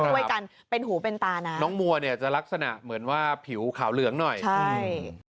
ช่วยกันเป็นหูเป็นตานะน้องมัวเนี่ยจะลักษณะเหมือนว่าผิวขาวเหลืองหน่อยใช่